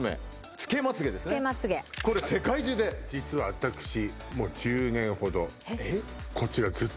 つけまつげこれ世界中で実は私もうええっえっ